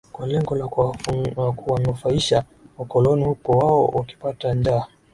kwa lengo la kuwanufaisha wakoloni huku wao wakipata njaa